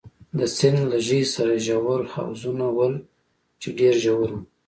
د سیند له ژۍ سره ژور حوضونه ول، چې ډېر ژور وو.